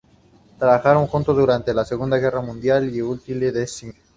Trabajaron juntos durante la Segunda Guerra Mundial en Utility Design.